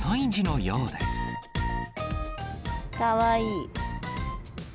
かわいい。